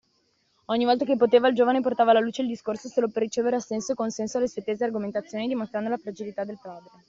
Ogni volta che poteva, il giovane portava alla luce il discorso solo per ricevere assenso e consenso alle sue tesi e argomentazioni, dimostrando la fragilità del padre.